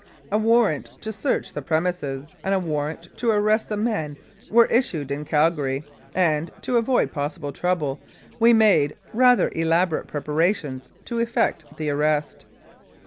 A warrant to search the pre mises and a warrant to arrest the men were issued in Calgary, and to avoid possible trouble, we made rather elaborate preparations to effect the arrest.